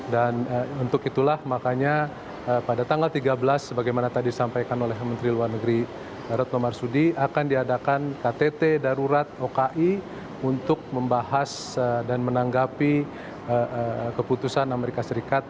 dan untuk itulah makanya pada tanggal tiga belas sebagaimana tadi disampaikan oleh menteri luar negeri retno marsudi akan diadakan ktt darurat oki untuk membahas dan menanggapi keputusan amerika serikat